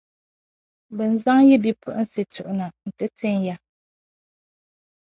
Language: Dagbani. bɛ ni zaŋ yi bipuɣinsi tuɣi na ti tin ya.